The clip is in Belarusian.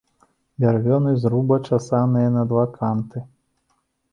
Бярвёны зруба часаныя на два канты.